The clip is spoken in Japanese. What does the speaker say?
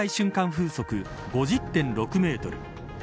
風速５０．６メートル